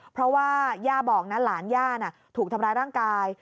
เพราะว่าย่าบอกนะหลานย่าน่ะถูกทำร้ายร่างกาย